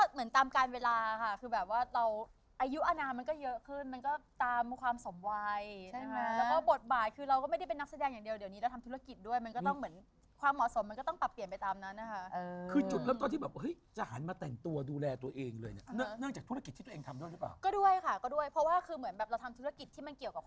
เหมือนตามการเวลาค่ะคือแบบว่าเราอายุอาณามันก็เยอะขึ้นมันก็ตามความสมวัยแล้วก็บทบาทคือเราก็ไม่ได้เป็นนักแสดงอย่างเดียวเดี๋ยวนี้แล้วทำธุรกิจด้วยมันก็ต้องเหมือนความเหมาะสมมันก็ต้องปรับเปลี่ยนไปตามนั้นนะคะคือจุดเริ่มตอนที่แบบเฮ้ยจะหันมาแต่งตัวดูแลตัวเองเลยเนื่องจากธุรกิจที่ตัวเองทำด